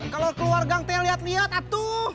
kalau keluar gang teh lihat lihat